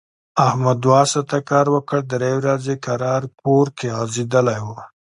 احمد دوه ساعت کار وکړ، درې ورځي کرار کور غځېدلی و.